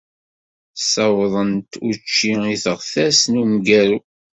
Ssawḍent učči i teɣtas n umgaru.